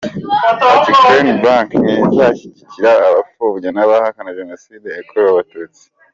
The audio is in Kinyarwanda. Ati “Crane Bank ntizashyigikira abapfobya n’abahakana Jenoside yakorewe Abatutsi.